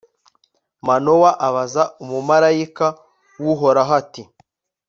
manowa abaza umumalayika w'uhoraho, ati